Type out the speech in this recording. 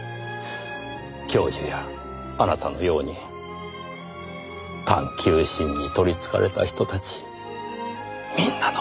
教授やあなたのように探究心に取りつかれた人たちみんなのものですよ。